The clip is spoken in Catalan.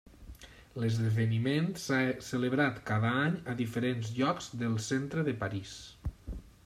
L'esdeveniment s'ha celebrat cada any a diferents llocs del centre de París.